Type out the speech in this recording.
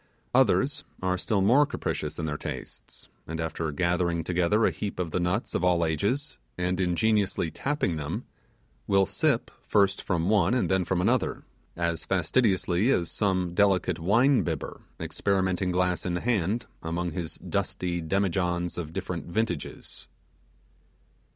Others are still more capricious in their tastes; and after gathering together a heap of the nuts of all ages, and ingeniously tapping them, will first sip from one and then from another, as fastidiously as some delicate wine bibber experimenting glass in hand among his dusty demi johns of different vintages.